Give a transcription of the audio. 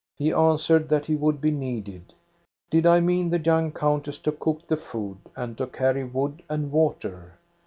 He answered that he would be needed. Did I mean the young countess to cook the food, and to carry wood and water?